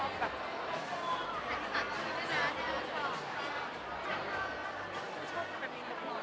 โอเคขอบคุณค่ะ